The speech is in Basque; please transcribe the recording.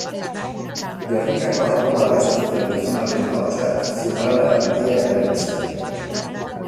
Gernikako Arbola abestu zuen gizonaren ahotsak zirrara handia eragin zion.